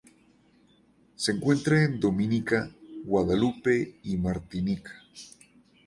Se encuentra en Dominica, Guadalupe y Martinica.